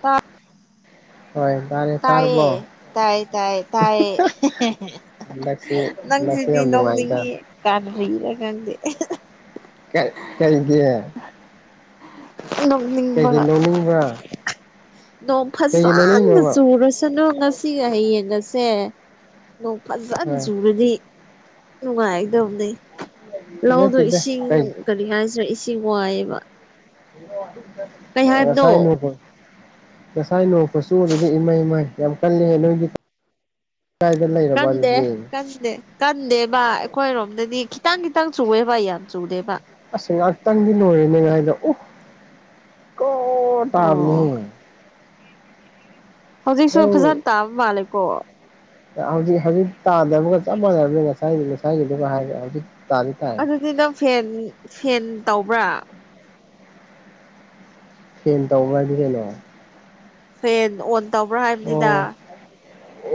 ꯇꯥꯎ ꯍꯣꯏ ꯃꯥꯅ‌ꯦ ꯇꯥꯌꯦ ꯇꯥꯏꯌꯦ ꯇꯥꯏꯌꯦ ꯇꯥꯌꯦ ꯍꯟꯗꯛꯁꯦ [unintelligible] ꯍꯟꯗꯛꯁꯦ ꯅꯪꯁꯤꯗꯤ ꯌꯥꯝ ꯅꯨꯡꯉꯥꯏꯗ ꯅꯣꯛꯅꯤꯡꯉꯤ ꯀꯥꯔꯤꯔ ꯈꯪꯗꯦ ꯀ ꯀꯩꯒꯤ [inaudible] ꯀꯩꯒꯤ ꯅ ꯂꯧꯅꯤꯡꯕ꯭ꯔ ꯅꯣꯡ ꯐꯖꯅ ꯆꯨꯔꯁꯅꯨ ꯉꯁꯤꯒ ꯍꯌꯦꯡꯉꯁꯦ ꯅ ꯐꯖꯅ ꯍꯣꯏ ꯆꯨꯔꯗꯤ ꯅꯨꯡꯉꯥꯏꯗꯕꯅꯦ ꯂꯧꯗꯣ ꯅꯠꯇꯦꯗ ꯏꯁꯤꯡ ꯀꯩ ꯀꯔꯤ ꯍꯥꯏꯁꯤ꯭ꯔꯥ ꯏꯁꯤꯡ ꯋꯥꯏꯑꯕ ꯑꯦꯁꯥ ꯍꯥꯏꯕꯅꯣ ꯍ ꯅꯄ ꯉꯁꯥꯏ ꯅꯣꯛꯄꯁꯨ ꯎꯔꯤꯗꯤ ꯏꯃꯥꯏ ꯏꯃꯥꯏ ꯌꯥꯝ ꯀꯜꯂꯤꯉ ꯅꯣꯏꯒꯤ ꯀꯗꯥꯏꯗ ꯂꯩꯔꯕ ꯑꯗꯨꯗꯤ ꯅꯦ ꯀꯟꯗꯦꯕ ꯑꯩꯈꯣꯏꯔꯣꯝꯗꯗꯤ ꯈꯤꯇꯪ ꯈꯤꯇꯪ ꯆꯨꯑꯦꯕ ꯌꯥꯝ ꯆꯨꯗꯦꯕ ꯑꯁ ꯉꯥꯛꯇꯪꯗꯤ ꯂꯣꯏꯔꯦ ꯅꯦꯉꯥꯏꯗ [unintelligible] ꯑꯣ ꯀꯣꯔ ꯑꯣ ꯇꯥꯕꯤꯅꯤꯍꯦ ꯍꯧꯖꯤꯛꯁꯨ ꯅꯪ ꯐꯖꯅ ꯇꯥꯕ ꯃꯥꯜꯂꯦꯀꯣ ꯍꯧꯖꯤꯛ ꯍꯧꯖꯤꯛ ꯇꯥꯗꯕꯒ ꯆꯞ ꯃꯥꯟꯅꯒ꯭ꯔ‌ꯦ ꯉꯁꯥꯏꯒꯤ ꯉꯁꯥꯏꯒꯤꯗꯨꯒ ꯍꯥꯏꯔ [unintelligible] ꯍꯧꯖꯤꯛ ꯇꯥꯗꯤ ꯇꯥꯏ ꯑꯗꯨꯗꯤ ꯅꯪ ꯐꯦꯟ ꯐꯦꯟ ꯇꯧꯕ꯭ꯔꯥ ꯐꯦꯟ ꯇꯧꯕ꯭ꯔ ꯍꯥꯏꯗꯤ ꯀꯩꯅꯣ ꯐ‌ꯦꯟ ꯑꯣꯟ ꯇꯧꯕ꯭ꯔꯥ ꯍꯥꯏꯕꯅꯤꯗ ꯑꯣ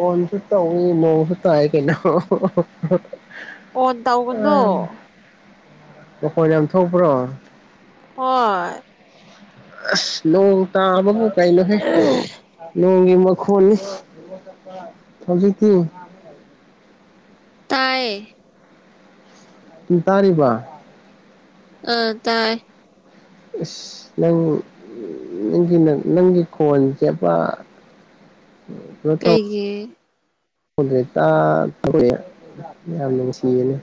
ꯑꯣꯟꯁꯨ ꯇꯧꯏ ꯅ‌ꯣꯡꯁꯨ ꯇꯥꯏ ꯀꯩꯅ‌ꯣ ꯑꯣꯟ ꯑ ꯇꯧꯒꯅꯨ ꯃꯈꯣꯜ ꯌꯥꯝ ꯊꯣꯛꯄ꯭ꯔꯣ ꯍꯣꯏ ꯑꯁ ꯅꯣꯡ ꯇꯥꯕꯕꯨ ꯀꯩꯅꯣꯍꯦ ꯂꯣꯡꯒꯤ ꯃꯈꯣꯟ ꯍꯧꯖꯤ ꯀ ꯇꯥꯏꯌꯦ ꯎ ꯇꯥꯔꯤꯕ ꯑ ꯇꯥꯏ ꯑꯁ ꯅꯪ ꯅꯪꯒꯤ ꯅꯪꯒꯤ ꯈꯣꯟ ꯆꯦꯕ ꯎꯝ ꯀꯩꯒꯤ ꯀꯣꯟꯗ꯭ꯔꯦꯇꯥ ꯊꯧꯦ ꯌꯥꯝ ꯅꯨꯡꯁꯤꯌꯦꯅꯦ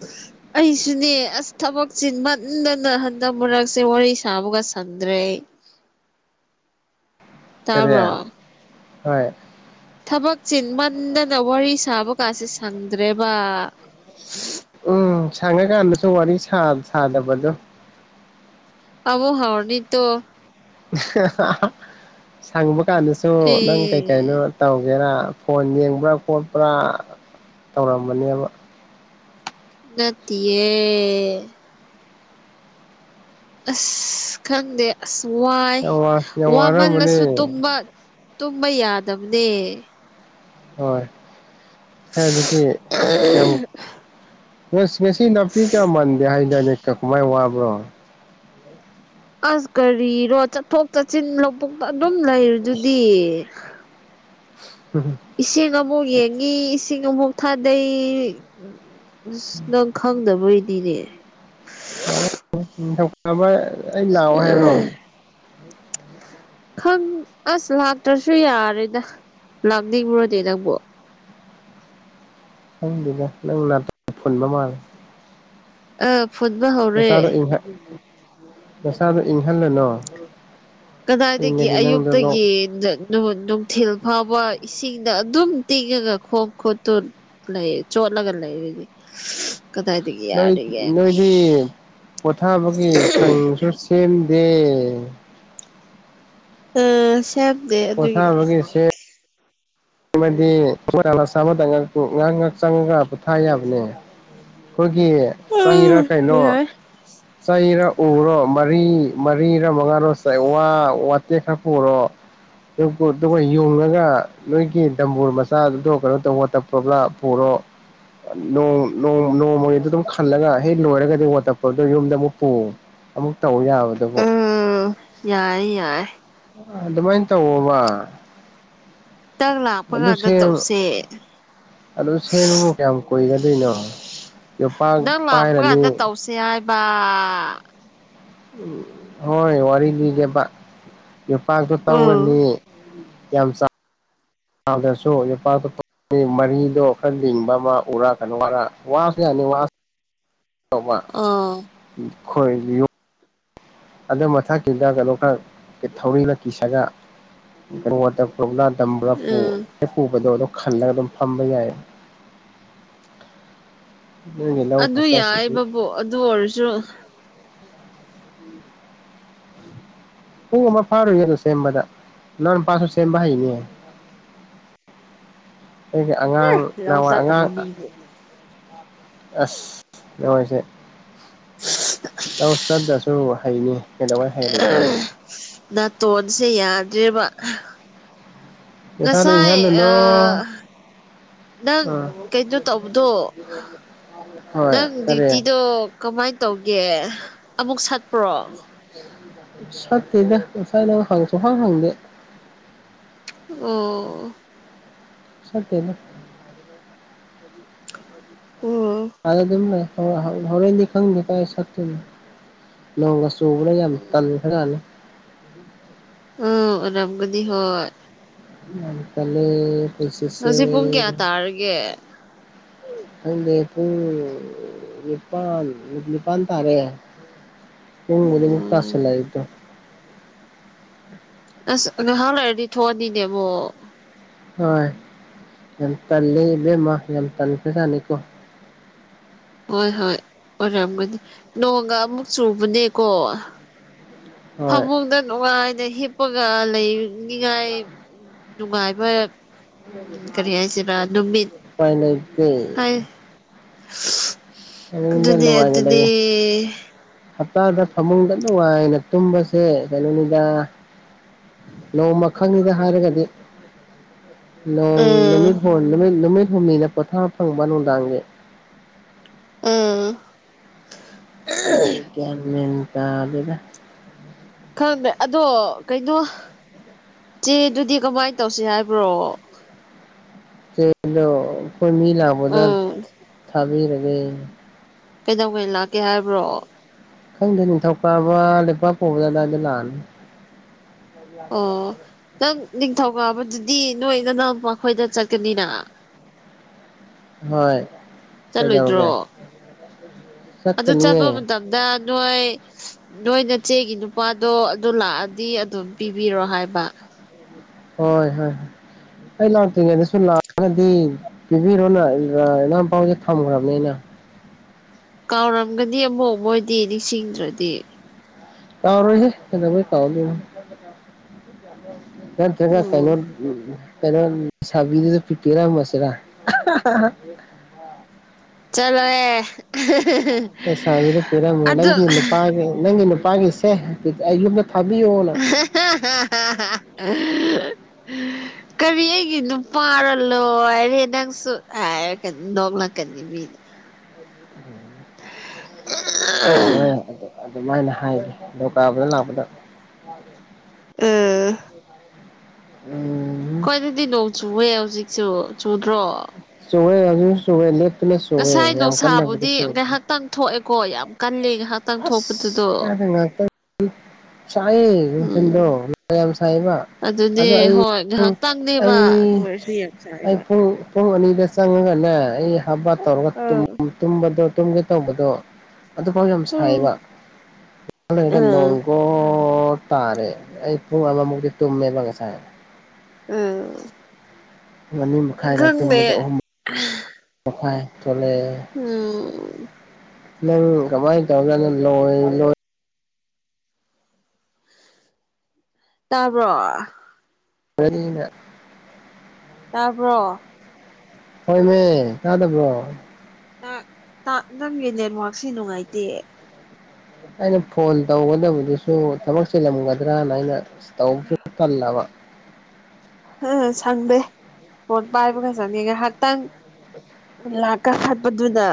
[inaudible] ꯑꯩꯁꯨꯅꯦ ꯑꯁ ꯊꯕꯛꯁꯤꯦ ꯃꯟꯗꯅ ꯍꯟꯗꯛ ꯃꯔꯛꯁꯦ ꯋꯥꯔꯤ ꯁꯥꯕꯒ ꯁꯟꯗ꯭ꯔꯦ ꯇꯥꯕ꯭ꯔꯣ ꯀꯌꯥ ꯍꯣꯏ ꯊꯕꯛ ꯆꯤꯟ ꯃꯟꯗꯅ ꯋꯥꯔꯤ ꯁꯥꯕ ꯀꯥꯁꯦ ꯁꯪꯗ꯭ꯔꯦꯕ ꯎꯝ ꯁꯪꯉꯀꯥꯟꯗꯁꯨ ꯋꯥꯔꯤ ꯁꯥꯗꯕꯗꯣ ꯑꯕꯣ ꯍꯅꯤꯠꯇꯣ ꯁꯪꯕ ꯀꯥꯟꯗꯁꯨ ꯑꯦ ꯅꯪ ꯀꯩ ꯀꯥꯏꯩꯅꯣ ꯇꯧꯒꯦꯔ ꯐꯣꯟ ꯌꯦꯡꯕ꯭ꯔꯥ ꯈꯣꯠꯄ꯭ꯔꯥ ꯇꯧꯔꯝꯕꯅꯦꯕ ꯎꯠꯇꯌꯦ ꯑꯁ ꯈꯪꯗꯦ ꯑꯁ ꯋꯥꯏ ꯌꯥꯝ ꯋꯥ ꯌꯥꯝ ꯋꯥꯔꯝꯕꯅꯦ ꯋꯥꯃꯜꯂꯁꯨ ꯇꯨꯝꯕ ꯇꯨꯝꯕ ꯌꯥꯗꯕꯅꯦ ꯍꯣꯏ ꯍꯦ ꯅꯅꯤ ꯑ ꯁ ꯉꯁꯤ ꯅꯥꯄꯤ ꯀꯌꯥ ꯃꯥꯟꯗꯦ ꯍꯥꯏꯖꯅꯤ ꯀꯃꯥꯏ ꯋꯥꯕ꯭ꯔꯣ ꯑꯁ ꯀꯔꯤꯔꯣ ꯆꯠꯊꯣꯛ ꯆꯠꯁꯤꯟ ꯂꯧꯕꯨꯛꯇ ꯑꯗꯨꯝ ꯂꯩꯔꯦꯗꯨꯗꯤ ꯏꯁꯤꯡ ꯑꯃꯨꯛ ꯌꯦꯡꯉꯤ ꯏꯁꯤꯡ ꯑꯃꯨꯛ ꯊꯥꯗꯩ ꯎ ꯑꯁ ꯅꯪ ꯈꯪꯗꯕꯣꯏꯗꯤꯅꯦ ꯅꯤꯡꯧꯕ ꯑꯩ ꯂꯥꯛꯑꯣ ꯍꯥꯏꯔꯣ ꯈꯪ ꯑꯁ ꯂꯥꯛꯇ꯭ꯔꯁꯨ ꯌꯥꯔꯦꯗ ꯂꯥꯛꯅꯤꯡꯕꯨꯔꯗꯤ ꯅꯪꯕꯨ ꯍꯪꯗꯗ ꯅꯪꯅꯅꯥ ꯐꯣꯟꯕ ꯃꯥ ꯑ ꯐꯨꯠꯕ ꯍꯣ ꯅꯁꯥꯗꯣ ꯅꯁꯥꯗ ꯏꯪꯍꯜꯂꯅꯣ ꯀꯗꯥꯏꯗꯒꯤ ꯑꯌꯨꯛꯇꯒꯤ ꯅꯨꯡꯊꯤꯜ ꯐꯥꯎꯕ ꯏꯁꯤꯡꯗ ꯑꯗꯨꯝ ꯇꯤꯡꯉꯒ ꯈꯣꯡ ꯈꯣꯠꯇꯨ ꯂꯩ ꯆꯣ ꯑꯒ ꯂꯩꯗꯤ [unintelligible] ꯀꯗꯥꯏꯗꯒꯤ ꯅꯣꯏ ꯅꯣꯏꯗꯤ ꯄꯣꯊꯥꯕꯒꯤ ꯁꯪꯁꯨ ꯁꯦꯝꯗꯦ ꯑ ꯁꯦꯝꯗꯦ ꯑꯗꯨꯒꯤ ꯥ ꯂꯥꯁꯥ [inaudible] ꯑꯃꯗ ꯉꯥꯏꯍꯥꯛ ꯉꯍꯥꯛ ꯆꯪꯉꯒ ꯄꯣꯠꯊꯥ ꯌꯥꯕꯅꯦ ꯑꯩꯈꯣꯏꯒꯤ ꯑ ꯆꯩꯔ ꯀꯩꯅꯣ ꯌꯥꯏ ꯆꯩꯔ ꯎꯔꯣ ꯃꯔꯤ ꯃꯔꯤꯔ ꯃꯉꯥꯔꯣ ꯆꯩꯋꯥ ꯋꯥꯇꯦꯛ ꯈꯔ ꯄꯨꯔꯣ ꯑꯗꯨꯒ ꯌꯣꯉꯒ ꯅꯣꯏꯒꯤ ꯝꯕꯨꯨꯔ ꯃꯆꯥꯗꯨꯗꯣ ꯀꯩꯅꯣ ꯇꯧꯕ ꯇꯞꯄ꯭ꯔꯣꯕꯂ ꯄꯨꯔꯣ ꯣꯡꯣꯡ ꯅꯣꯡꯃꯒꯤꯗ ꯑꯗꯨꯝ ꯈꯜꯂꯒ ꯍꯦꯛ ꯂꯣꯏꯔꯒꯗꯤ ꯋꯥꯇꯔꯄꯨꯜꯇꯣ ꯌꯨꯝꯗ ꯑꯃꯨꯛ ꯄꯨ ꯑꯃꯨꯛ ꯇꯧ ꯌꯥꯕꯗꯕꯣ ꯎꯝ ꯌꯥꯏ ꯌꯥꯏꯦ ꯑꯗꯨꯗꯃꯥꯏꯅ ꯇ ꯍꯣꯕ ꯇꯪ ꯂꯥꯛꯄ ꯀꯥꯟꯗ ꯁꯦꯝ ꯇꯧꯁꯦ ꯑꯗꯨ ꯁꯦꯝꯕꯒꯨ ꯀꯌꯥꯝ ꯀꯨꯏꯒꯗꯣꯏꯅꯣ ꯌꯣꯄꯥꯛ ꯄꯥꯏꯔꯅꯤ ꯁꯤ ꯌꯥꯥꯏꯕ ꯎ ꯍꯣꯏ ꯋꯥꯔꯤ ꯂꯤꯒꯦꯕ ꯌꯣꯄꯥꯛꯇꯣ ꯇꯧꯔꯅꯤ ꯎꯝ ꯌꯥꯝ ꯆꯥꯎꯁꯨ ꯌꯣꯄꯥꯛꯇꯣ ꯃꯔꯤꯗꯣ ꯈꯔ ꯂꯤꯡꯕ ꯑꯃ ꯎꯔꯛꯀꯅ ꯋꯥꯔ ꯋꯥꯁꯨ ꯌꯥꯅꯤ ꯇꯧ ꯋꯥ ꯑꯥ ꯈꯣꯏꯒꯤ ꯌꯨꯝ ꯑꯗꯨ ꯃꯊꯛꯀꯤꯗ ꯀꯩꯅꯣ ꯈ ꯊꯧꯔꯤꯅ ꯇꯝꯕ꯭ꯔꯄꯨ ꯎꯝ ꯑꯩ ꯄꯨꯕꯗꯣ ꯑꯗꯨꯝ ꯈꯜꯂꯒ ꯑꯗꯨꯝ ꯐꯝꯕ ꯌꯥꯏ ꯅꯣꯢꯒꯤ ꯂꯧ ꯑꯗꯨ ꯐꯖꯕꯁꯤꯗꯤ ꯌꯥꯏꯕꯕꯨ ꯑꯗꯨ ꯑꯣꯏꯔꯁꯨ ꯄꯨꯡ ꯑꯃ ꯐꯥꯔꯣꯢ ꯁꯦꯝꯕꯗ ꯅꯪ ꯅꯄꯥꯁꯨ ꯁꯦꯝꯕ ꯍꯩꯅꯦ ꯑꯩꯒꯤ ꯑꯉꯥꯡ ꯂꯧ ꯅꯋꯥ ꯑꯉꯥꯡ ꯆꯠꯇꯕ ꯃꯤꯕꯨ ꯑꯁ ꯅꯣꯢꯁꯦ ꯍ [inaudible] ꯅꯧ ꯆꯠꯇ꯭ꯔꯁꯨ ꯍꯩꯅꯤ ꯀꯩꯗꯧꯕꯩ ꯍꯩꯔꯣꯏꯗꯣꯏꯅꯣ ꯅꯥꯇꯣꯟꯁꯦ ꯌꯥꯗ꯭ꯔꯦꯕ ꯅꯁꯥꯗ ꯉꯁꯥꯏ ꯑ ꯏꯪꯍꯜꯂꯨꯅꯣ ꯅꯪ ꯑꯥ ꯀꯩꯅꯣ ꯇꯧꯕꯗꯣ ꯍꯣꯏ ꯅꯪ ꯀꯔꯤ ꯗ꯭ꯌꯨꯇꯤꯗꯣ ꯀꯃꯥꯏꯅ ꯇꯧꯒꯦ ꯑꯃꯨꯛ ꯁꯥꯡꯄ꯭ꯔꯣ ꯁꯠꯇꯦꯗ ꯉꯥꯏ ꯅꯪ ꯍꯥꯡꯁꯨ ꯁꯨꯡꯍꯥꯡ ꯍꯪ ꯗꯦ ꯑꯣ ꯆꯠꯇꯦꯗ ꯎꯝ ꯑꯥꯗ ꯑꯗꯨꯝ ꯍꯣꯔꯦꯟꯗꯤ ꯈꯪꯗꯦ ꯀꯥꯏ ꯁꯇꯅ ꯂꯣꯡꯒꯥ ꯆꯨꯕꯅꯦ ꯌꯥꯝ ꯎꯝ ꯇꯥꯟꯈꯔꯖꯠꯅꯤ ꯎꯝ ꯑꯣꯢꯔꯝꯒꯅꯤ ꯍꯣꯏ ꯌꯥꯝ ꯇꯥꯜꯂꯦ ꯄꯨꯟꯁꯤꯁꯦ ꯍꯧꯖꯤꯛ ꯄꯨꯡ ꯀꯌꯥ ꯇꯥꯔꯒꯦ ꯈꯪꯗꯦ ꯄꯨꯡ ꯅꯤꯄꯥꯟ ꯅꯤꯄꯥꯟ ꯇꯥꯔꯦ ꯃꯨꯡꯒꯂꯤꯃꯛꯇ [inaudible] ꯆꯁꯦꯂꯥꯏꯗꯣ ꯑꯁ ꯉꯍꯥꯛ ꯂꯩꯔꯗꯤ ꯊꯣꯛꯑꯅꯤꯅꯦ ꯑꯃꯨꯛ ꯍꯣꯏ ꯌꯥꯝ ꯇꯜꯂꯦ ꯏꯕꯦꯝꯃ ꯌꯥꯝ ꯇꯟꯈ꯭ꯔꯖꯥꯠꯅꯤꯀꯣ ꯍꯣꯏ ꯍꯣꯏ ꯑꯣꯏꯔꯝꯒꯅꯤ ꯅꯣꯡꯒ ꯑꯃꯨꯛ ꯆꯨꯕꯅꯦꯀꯣ ꯍꯣꯏ ꯐꯃꯨꯡꯗ ꯅꯨꯡꯉꯥꯏꯅ ꯍꯤꯞꯄꯒ ꯂꯩꯅꯤꯉꯥꯏ ꯅꯨꯡꯉꯥꯏꯕ ꯎꯝ ꯀꯔꯤ ꯍꯥꯏꯁꯤꯔꯥ ꯅꯨꯃꯤꯠ ꯎꯄꯥꯏ ꯂꯩꯇꯦ ꯍꯥꯏ ꯐꯃꯨꯡꯗ ꯑꯗꯨꯅꯦ ꯅꯨꯡꯉꯥꯏꯅ ꯑꯗꯨꯅꯦ ꯂꯩꯌꯦ ꯍꯞꯇꯥꯗ ꯐꯃꯨꯡꯗ ꯅꯨꯡꯉꯥꯏꯅ ꯇꯨꯝꯕꯁꯦ ꯀꯩꯅꯣꯅꯤꯗ ꯅꯣꯡꯃ ꯈꯪꯉꯤꯗ ꯍꯥꯏꯔꯒꯗꯤ ꯅꯣꯡ ꯎꯝ ꯅꯨꯃꯤꯠ ꯍ ꯅꯨꯃꯤꯠ ꯅꯨꯃꯤꯠ ꯍꯨꯝꯅꯤꯅ ꯄꯣꯊꯥ ꯐꯪꯕ ꯅꯨꯡꯗꯥꯡꯒꯤ ꯎꯝ [unintelligible] ꯈꯪꯗ꯭ꯔꯦ ꯑꯗꯣ ꯀꯩꯅꯣ ꯆꯦꯗꯨꯗꯤ ꯀꯃꯥꯏꯅ ꯇꯧꯁꯤ ꯍꯥꯏꯕ꯭ꯔꯣ ꯗꯣ ꯑꯩꯈꯣꯏ ꯃꯤ ꯂꯥꯛꯄꯗ ꯎꯝ ꯊꯥꯕꯤꯔꯒꯦ ꯀꯩꯗꯧꯉꯩ ꯂꯥꯛꯀꯦ ꯍꯥꯏꯕ꯭ꯔꯣ ꯈꯪꯗꯦ ꯅꯤꯡꯊꯧꯀꯥꯕ ꯂꯩꯞꯥꯛꯄꯣꯛꯏ ꯑꯘꯨꯋꯥꯏꯘ ꯂꯥꯛꯑꯅꯤ ꯑꯣ ꯅꯪ ꯅꯤꯡꯊꯧꯀꯥꯕꯗꯨꯗꯤ ꯅꯣꯏ ꯅꯅꯥꯎꯄꯥꯈꯣꯏꯗ ꯆꯠꯀꯅꯤꯅ ꯍꯣꯏ ꯀꯩꯘꯧꯔꯒꯦ ꯆꯠꯂꯣꯏꯗ꯭ꯔꯣ ꯑꯗꯨ ꯆꯠꯄ ꯃꯇꯝꯗ ꯅꯣꯏ ꯅꯣꯏ ꯅꯆꯦꯒꯤ ꯅꯨꯄꯥꯗꯣ ꯑꯗꯨ ꯂꯥꯛꯑꯗꯤ ꯑꯗꯨꯝ ꯄꯤꯕꯤꯔꯣ ꯍꯥꯏꯕ ꯍꯣꯏ ꯍꯣꯏ ꯑꯩ ꯂꯥꯛꯇ꯭ꯔꯤꯉꯩꯗ ꯁꯨꯝ ꯂꯥꯛꯑꯒꯗꯤ ꯄꯤꯕꯤꯔꯣꯅ ꯏꯅꯤꯎꯄꯥ ꯍꯣꯢꯗ ꯊꯝꯈ꯭ꯔꯕꯅꯦ ꯑꯩꯅ ꯀꯥꯎꯔꯝꯒꯅꯤ ꯑꯃꯨꯛ ꯃꯣꯏꯗꯤ ꯅꯤꯡꯁꯤꯡꯗ꯭ꯔꯗꯤ ꯀꯥꯎꯔꯣꯏꯍꯦ ꯀꯩꯘꯧꯕꯩ ꯀꯥꯥꯎꯘꯣꯏꯅꯣ ꯅꯠꯇ꯭ꯔꯒ ꯀꯩꯅꯣ ꯎꯝ ꯀꯩꯅꯣ ꯁꯕꯤꯗ ꯄꯤꯔꯝꯃꯁꯤꯔꯥ ꯆꯂꯍꯦ ꯑꯦꯁꯥꯕꯤꯅ ꯄꯤꯔꯝꯕ ꯅꯪꯒꯤ ꯅꯨꯄꯥꯒꯤ ꯅꯪꯒꯤ ꯅꯨꯄꯥꯒꯤꯁꯦ ꯌꯨꯝꯗ ꯊꯥꯕꯤꯌꯣꯑꯣꯅ [inaudible] ꯀꯔꯤ ꯑꯩꯒꯤ ꯅꯨꯄꯥ ꯂꯣꯏꯔꯦ ꯅꯪꯁꯨ ꯍꯥꯏꯔꯒ ꯅꯣꯛꯂꯛꯀꯅꯤ ꯃꯤ ꯎꯝ ꯑꯗꯨꯃꯥꯏ ꯑꯗꯨꯃꯥꯏꯅ ꯍꯥꯏꯒꯦ ꯅꯤꯡꯊꯧꯀꯥꯕ ꯂꯥꯛꯄꯗ ꯑꯥ ꯎꯝ ꯑꯈꯣꯏꯘꯘꯤ ꯅꯣꯡ ꯆꯨꯎꯦ ꯍꯧꯖꯤꯛꯁꯨ ꯆꯨꯗ꯭ꯔꯣ ꯆꯨꯋꯦ ꯍꯧꯖꯤꯛꯁꯨ ꯆꯨꯋꯦ ꯂꯦꯞꯇꯅ ꯆꯨꯋꯦ ꯉꯁꯥꯏ ꯌꯥꯝ ꯀꯟꯅꯕꯨꯗꯤ ꯅꯨꯡꯁꯥꯕꯨꯗꯤ ꯆꯨꯗꯦ ꯉꯥꯏꯍꯥꯛꯇꯪ ꯊꯣꯛꯑꯦꯀꯣ ꯌꯥꯝ ꯀꯜꯂꯦ ꯉꯥꯏꯍꯥꯛ ꯑꯁ [unintelligible] ꯁꯥꯏꯌꯦ ꯎꯝ ꯅꯨꯡꯊꯤꯟꯗꯣ ꯃꯌꯥꯝ ꯁꯥꯏꯕ ꯑꯗꯨꯅꯦ ꯑꯗꯣ ꯑꯩ ꯍꯣꯏ ꯉꯥꯏꯍꯥꯛꯇꯪꯅꯦꯕ ꯑꯗꯨ ꯑꯩ ꯑꯣꯏꯔꯁꯨ ꯌꯥꯝ ꯑꯩ ꯁꯥꯏꯕ ꯄꯨꯡ ꯄꯨꯡ ꯑꯅꯤꯗ ꯆꯪꯉꯒꯅꯦ ꯑꯩ ꯍꯥꯕ ꯕꯥꯠ ꯇꯧꯔꯒ ꯑꯥ ꯇꯨꯝꯕꯗꯣ ꯇꯨꯝꯒꯦ ꯇꯧꯕꯗꯣ ꯑꯗꯨꯐꯥꯎ ꯌꯥꯝ ꯎꯝ ꯁꯥꯏꯕ ꯂꯩꯔꯒ ꯅꯣꯡ ꯎꯝ ꯀꯣ ꯇꯥꯔꯦ ꯑꯩ ꯄꯨꯡ ꯑꯃꯃꯨꯛꯇꯤ ꯇꯨꯝꯃꯦꯕ ꯉꯁꯥꯏ ꯎꯝ ꯑꯅꯤ ꯃꯈꯥꯏꯗ ꯈꯪꯗꯦ ꯇꯨꯝꯕꯗ ꯑꯍꯨꯝ ꯃꯈꯥꯏ ꯊꯣꯂꯛꯑꯦ ꯎꯝ ꯅꯪ ꯀꯃꯥꯏꯅ ꯇꯧꯒꯅ ꯂꯣꯏ ꯂꯣꯏ ꯇꯥꯕ꯭ꯔꯣ ꯑꯩꯅ ꯇꯥꯕ꯭ꯔꯣ ꯍꯣꯏꯃꯦ ꯇꯥꯗꯕ꯭ꯔꯣ ꯅꯪꯒꯤ ꯅꯦꯠꯋꯥꯔꯛꯁꯤ ꯅꯨꯡꯉꯥꯏꯇꯦ ꯑꯩꯅ ꯐꯣꯟ ꯇꯧꯒꯗꯕꯗꯨꯁꯨ ꯊꯕꯛ ꯆꯤꯜꯂꯝꯒꯗ꯭ꯔꯥꯅ ꯑꯩꯅ ꯇꯧꯕ ꯇꯜꯂꯕ ꯎ ꯁꯪꯗꯦ ꯐꫭꯟ ꯄꯥꯏꯕꯒ ꯁꯪꯉꯦ ꯉꯥꯏꯍꯥꯛꯇꯪ [unintelligible] ꯂꯥꯛꯀ ꯈꯠꯄꯗꯨꯗ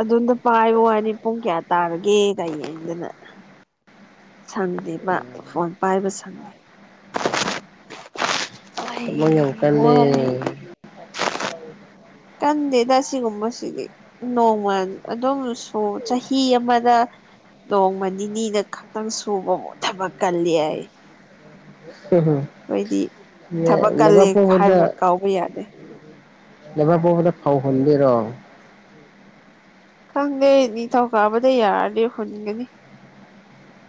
ꯑꯗꯣꯝꯗ ꯄꯥꯏꯕ ꯋꯥꯅꯤ ꯄꯨꯡ ꯀꯌꯥ ꯇꯥꯔꯒꯦ ꯀꯔꯤꯗꯅ [unintelligible] ꯁꯪꯗꯦꯕ ꯐꯣꯟ ꯄꯥꯏꯕ ꯁꯪꯗꯦ ꯑꯩ ꯊꯃꯣꯏ ꯌꯥꯝ ꯀꯜꯂꯦ ꯋꯥꯔꯦ ꯀꯟꯗꯦꯗ ꯁꯤꯒꯨꯝꯕ ꯁꯤꯗꯤ ꯅꯣꯡꯃ ꯑꯗꯨꯝ ꯁꯨ ꯆꯍꯤ ꯑꯃꯗ ꯅꯣꯡꯃ ꯅꯤꯅꯤꯗ ꯈꯛꯇꯪ ꯁꯨꯕꯕꯨ ꯊꯕꯛ ꯀꯜꯂꯤ ꯍꯥꯏꯌꯦ ꯍꯨꯍꯨꯝ ꯊꯕꯛ ꯀꯜꯂꯤ ꯂꯩꯕꯥꯛꯄꯣꯛꯄꯗꯥ ꯍꯥꯏꯕ ꯀꯥꯎꯕ ꯌꯥꯗꯦ ꯂꯩꯕꯥꯛꯄꯣꯛꯄꯗ ꯐꯧ ꯍꯨꯟꯘꯣꯏꯔꯣ ꯈꯪꯗꯦ ꯅꯤꯡꯊꯧ ꯀꯥꯕꯗ ꯌꯥꯔꯗꯤ ꯍꯨꯟꯒꯅꯤ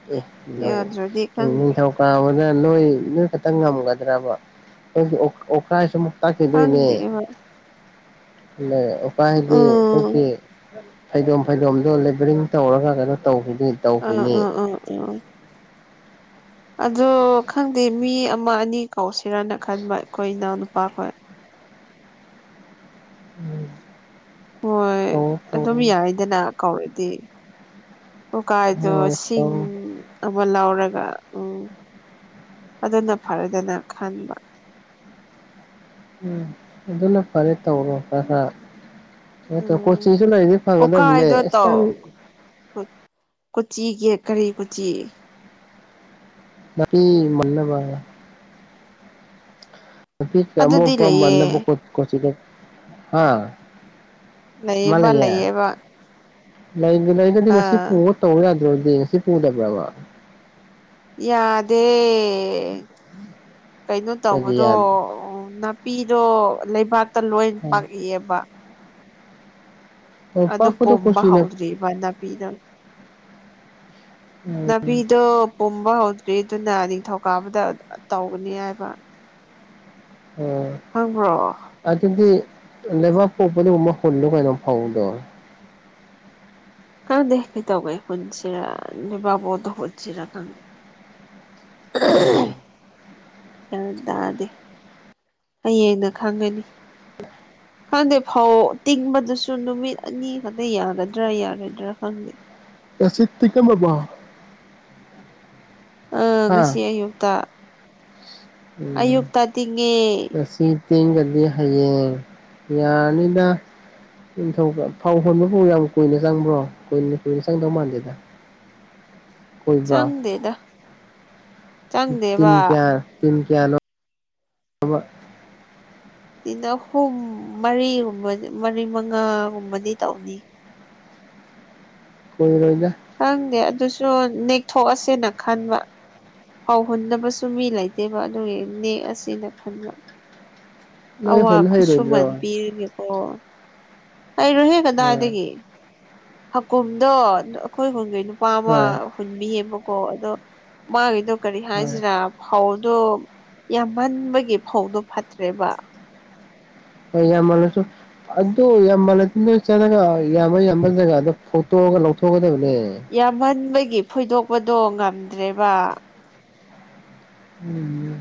ꯑꯦ ꯍ ꯌꯥꯗ꯭ꯔꯗꯤ ꯈꯪꯗꯦ ꯅꯣꯡꯊꯧ ꯄꯥꯕꯗ ꯅꯣꯏ ꯅꯣꯏ ꯈꯛꯇꯪ ꯉꯝꯒꯗ꯭ꯔꯕ ꯑꯗꯨ ꯑꯣꯀꯥꯏ ꯁꯨ ꯇꯥꯛꯈꯤꯗꯣꯏꯅꯦ ꯈꯪꯗꯦꯕ ꯎꯄꯥ ꯍꯥꯏꯗꯤ ꯎꯝ ꯍꯧꯀꯤ ꯐꯩꯗꯣꯝ ꯐꯩꯗꯣꯝꯗꯣ ꯂꯦꯕꯔꯤꯡ ꯇꯧꯔꯒ ꯀꯩꯅꯣ ꯇꯧꯈꯤꯗ ꯑꯥ ꯑꯥ ꯑꯥ ꯎꯥ ꯑ ꯈꯪꯗꯦ ꯃꯤ ꯑꯃ ꯑꯅꯤ ꯀꯧꯁꯤꯔꯅ ꯈꯟꯕ ꯑꯩꯈꯣꯏ ꯏꯅꯥꯎꯅꯨꯄꯥꯈꯣꯏ ꯎꯝ ꯍꯣꯏ ꯑꯗꯨꯝ ꯌꯥꯏꯗꯅ ꯀꯧꯔꯗꯤ ꯑꯣꯀꯥꯏꯗꯣ ꯍꯣꯏ ꯁꯤꯡ ꯇꯧ ꯑꯃ ꯂꯧꯔꯒ ꯎꯝ ꯑꯗꯨꯅ ꯐꯔꯗꯅ ꯈꯟꯕ ꯎꯝ ꯑꯗꯨꯅ ꯐꯔꯦ ꯇꯧꯔꯣ ꯈꯔ ꯍꯔ ꯍꯣ ꯎꯝ ꯀꯣꯆꯤꯡ ꯂꯩꯔꯗꯤ ꯐꯥꯒꯗꯕꯅꯦ ꯅꯪ ꯀꯨꯠ ꯀꯨꯆꯤꯒꯤ ꯀꯔꯤ ꯀꯨꯆꯤ ꯅꯥꯄꯤ ꯃꯥꯟꯅꯕ ꯑꯗꯨꯗꯤ UNINTELLIGIBLE ꯂꯩꯌꯦ ꯀꯃꯣꯄꯥ ꯃꯅꯕꯨꯁꯤꯗ ꯍꯥ ꯑꯃ ꯂꯩꯌꯦꯕ ꯂꯩꯌꯦ ꯂꯩꯌꯦꯕ ꯂꯩ ꯂꯩꯗꯗꯤ ꯉꯁꯤ ꯑꯥ ꯄꯨꯔ ꯇꯧ ꯌꯥꯗ꯭ꯔꯣꯗꯤ ꯉꯁꯤ ꯄꯨꯗꯕ꯭ꯔꯥꯕ ꯌꯥꯗꯦ ꯀꯩꯅꯣ ꯀꯩꯒꯤ ꯇꯧꯕꯗꯣ ꯌꯥꯗꯦ ꯄꯤꯔꫭ ꯂꯩꯕꯥꯛꯇ ꯂꯣꯏ ꯄꯥꯛꯏꯑꯕ ꯑꯣ ꯑꯗꫭ ꯄꯥꯛꯄꯗꯣ ꯄꯣꯝꯕ ꯀꯣꯆꯤꯅ ꯍꯧꯗ꯭ꯔꯤꯕ ꯅꯥꯄꯤꯗꫭ ꯅꯨꯄꯤꯗꯣ ꯄꯨꯝꯕ ꯍꯧꯗ꯭ꯔꯤ ꯑꯗꯨꯅ ꯅꯤꯡꯊꯧꯀꯥꯕꯗ ꯇꯧꯒꯅꯤ ꯍꯥꯏꯕ ꯍꫭꯏ ꯍꯪꯕ꯭ꯔꯣ ꯑꯗꯨꯗꯤ ꯂꯩꯕꯥꯛꯄꫭꯛꯄꯗ ꯒꯥꯝꯕ ꯍꯣꯂꯨ ꯀꯩꯅꫭ ꯐꯥꯎꯗꯣ ꯈꯪꯗꯦ ꯀꯥꯟꯗꯧꯉꯥꯏ ꯍꯨꯟꯁꯤꯔꯥ ꯂꯩꯕꯥꯛꯄꫭꯛꯄꯗ ꯍꯨꯟꯁꯤꯔꯥ ꯈꯪꯗꯦ ꯉꯁꯤ ꯒ꯭ꯌꯥꯟ ꯇꯥꯗꯦ ꯍꯌꯦꯡꯅ ꯈꯪꯒꯅꯤ [unintelligible] ꯈꯪꯗꯦ ꯐꯧ ꯇꯤꯡꯕꯗꯨꯁꯨ ꯅꯨꯃꯤꯠ ꯑꯅꯤ ꯈꯛꯇ ꯌꯥꯒꯗ꯭ꯔꯥ ꯌꯥꯔꯣꯏꯗ꯭ꯔꯥ ꯈꯪꯗꯦ ꯉꯁꯤ ꯇꯤꯡꯉꯥꯝꯑꯕꫭ ꯑ ꯉꯁꯤ ꯍꯥ ꯑꯌꯨꯛꯇ ꯎꯝ ꯑꯌꯨꯛꯇ ꯇꯤꯡꯉꯦ ꯉꯁꯤ ꯇꯤꯟꯒꯗꯤ ꯍꯌꯦꯡ ꯌꯥꯅꯤꯗ ꯅꯤꯡꯊꯧ ꯐꯧ ꯍꯣꯟꯕꯕꯨꯥꯎ ꯌꯥꯝ ꯀꯨꯏꯅ ꯆꯪꯕ꯭ꯔꯣ ꯀꯨꯏꯅ ꯀꯨꯏꯅ ꯆꯪꯗꯧ ꯃꯥꯟꯗꯦꯗ ꯀꯨꯏꯕꯔꯦ ꯆꯪꯗꯦꯗ ꯆꯪꯗꯦꯕ ꯇꯤꯟꯀꯌꯥ ꯇꯤꯟ ꯀꯌꯥꯅꯣ UNINTELLIGIBLE ꯕ ꯇꯤꯟ ꯑꯍꯨꯝ ꯃꯔꯤꯒꯨꯝꯕ ꯃꯔꯤ ꯃꯉꯥꯒꯨꯝꯕꯗꯤ ꯇꯧꯅꯤ ꯀꯨꯏꯔꯣꯏꯗ ꯈꯪꯗꯦ ꯑꯗꯨꯁꯨ ꯅꯦꯛꯊꯣꯛꯑꯁꯦꯅ ꯈꯟꯕ ꯐꯥꯎ ꯍꯨꯟꯅꯕꯁꯨ ꯃꯤ ꯂꯩꯇꯦꯕ ꯑꯗꯨꯒꯤ ꯅꯦꯛꯑꯁꯅ ꯈꯟꯕ ꯅꯣꯏ ꯑꯋꯥ ꯍꯨꯟ ꯈꯨꯠꯁꯨꯃꯟ ꯍꯩꯔꯣꯏꯗ꯭ꯔꯣ ꯄꯤꯔꯒꯦꯀꯣ ꯑꯩꯔꯣꯍꯦ ꯑꯥ ꯀꯗꯥꯏꯗꯒꯤ ꯍꯀꯨꯝꯗꯣ ꯑꯩꯈꯣꯏ ꯍꯨꯟꯈꯩ ꯅꯨꯄꯥ ꯑꯃ ꯍꯣꯏ ꯍꯨꯟꯕꯤꯌꯦꯕꯀꯣ ꯑꯗꯣ ꯃꯥꯒꯤꯗꯣ ꯀꯔꯤ ꯍꯣꯏ ꯍꯥꯏꯁꯤꯔꯥ ꯐꯧꯗꯣ ꯌꯥꯝꯃꯟꯕꯒꯤ ꯐꯧꯗꯣ ꯐꯠꯇ꯭ꯔꯦꯕ ꯌꯥꯝꯃꯜꯁꯨ ꯑꯗꯨ ꯌꯥꯝꯃꯜ ꯆꯒ ꯌꯥꯝꯕꯜ ꯌꯥꯝꯕꯜ ꯖꯒ ꯑꯗꯨꯣ ꯐꯣꯇꯣꯒ ꯂꯧꯊꯣꯛꯒꯗꯕꯅꯦ ꯌꯥꯝꯍꯟꯕꯒꯤ ꯐꯣꯏꯗꯣꯛꯄꯗꯣ ꯉꯝꯗ꯭ꯔꯦꯕ ꯎꯝ